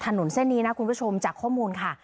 ถนนเส้นนี้นะคุณผู้ชมจากข้อมูลค่ะ